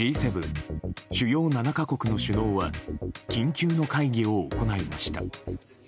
・主要７か国の首脳は緊急の会議を行いました。